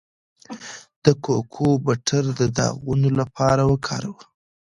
د کوکو بټر د داغونو لپاره وکاروئ